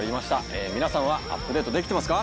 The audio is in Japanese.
皆さんはアップデートできてますか？